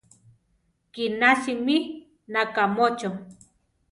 Kiná simí, nakámocho!